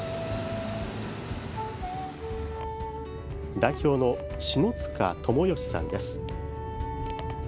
代表の篠塚知美さんです。